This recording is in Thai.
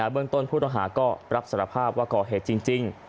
เบื้องต้นผู้ต้องหาก็รับสารภาพว่าก่อเหตุจริง